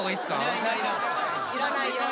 いらないよ。